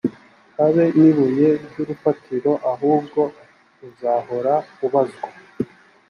habe n ibuye ry urufatiro ahubwo uzahora ubazwa